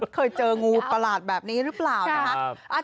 เคยเจองูประหลาดแบบนี้หรืออ่า